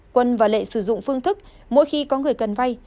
quân và lệ sử dụng phương thức mỗi khi có người cần vay